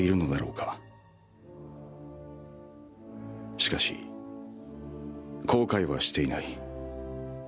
「しかし後悔はしていない」